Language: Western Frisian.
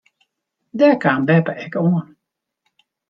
Dêr kaam beppe ek oan.